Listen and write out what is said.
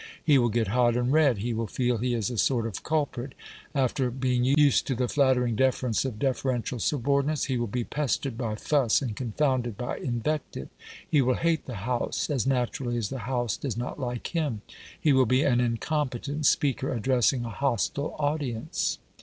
He will get hot and red; he will feel he is a sort of culprit. After being used to the flattering deference of deferential subordinates, he will be pestered by fuss and confounded by invective. He will hate the House as naturally as the House does not like him. He will be an incompetent speaker addressing a hostile audience.